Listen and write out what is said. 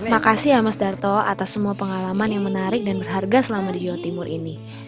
makasih ya mas darto atas semua pengalaman yang menarik dan berharga selama di jawa timur ini